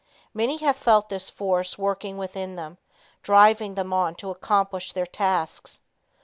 Many have felt this force working within them, driving them on to accomplish their tasks.